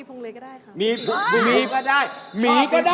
ก็มีผมเลยก็ได้ครับ